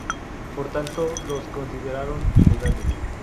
Por tanto, los consideraron ilegales.